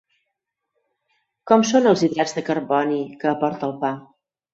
Com són els hidrats de carboni que aporta el pa?